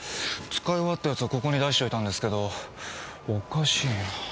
使い終わったやつをここに出しといたんですけどおかしいなぁ。